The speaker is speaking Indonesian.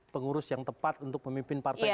pengurus yang tepat untuk memimpin partai